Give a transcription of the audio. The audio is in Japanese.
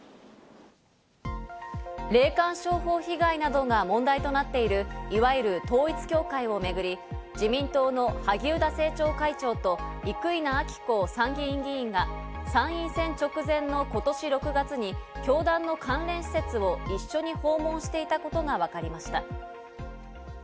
霊感商法被害などが問題となっている、いわゆる統一教会をめぐり自民党の萩生田政調会長と生稲晃子参議院議員が参院選直前の今年６月に教団の関連施設を一緒に訪問していたことがわかりました。